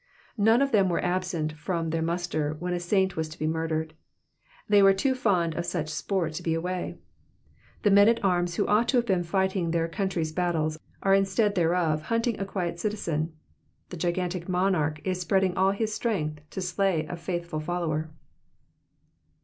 None of them were absent from the muster when a saint was to be murdered. They were too fond of such sport to be away. The men at arms who ought to have been fighting their country^s battles, are instead thereof hunting a quiet citizen ; the gigantic monarch is spending all his strength to slay a faithful follower.